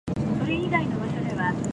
理系のおばあちゃん初めて見た。